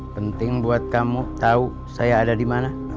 penting buat kamu tau saya ada dimana